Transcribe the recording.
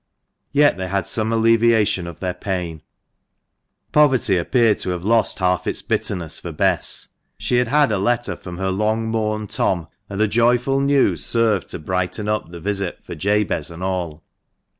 Yet they had some alleviation of their pain. Poverty appeared to have lost half its bitterness for Bess. She had had a letter from her long mourned Tom, and the joyful news served to brighten up the visit for Jabez and all.